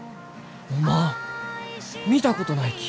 おまん見たことないき。